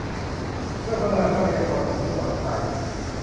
เพื่อพัฒนาทรัพยากรมนุษย์ของหนองคาย